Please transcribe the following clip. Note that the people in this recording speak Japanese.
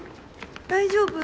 大丈夫？